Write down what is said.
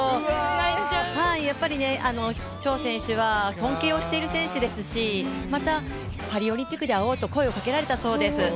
やっぱり、張選手は尊敬をしている選手ですしまた、パリオリンピックで会おうと声をかけられたそうです。